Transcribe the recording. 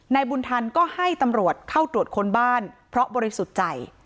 นายบุญธรรมก็ให้ตำรวจเข้าตรวจค้นบ้านเพราะบริสุทธิ์ใจ